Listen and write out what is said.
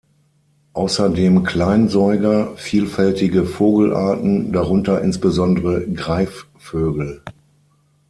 Außerdem Kleinsäuger, vielfältige Vogelarten, darunter insbesondere Greifvögel.